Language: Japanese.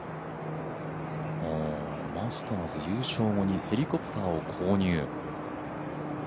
マスターズ優勝後にヘリコプターを購入。